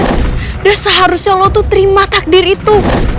sudah seharusnya lo tuh terima takdir itu